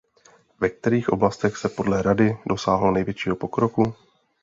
Ve kterých oblastech se podle Rady dosáhlo největšího pokroku?